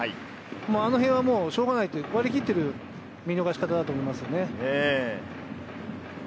あの辺はしょうがない、割り切ってる見逃し方だと思いますね。